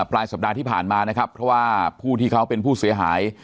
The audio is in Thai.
ปลายสัปดาห์ที่ผ่านมานะครับเพราะว่าผู้ที่เขาเป็นผู้เสียหาย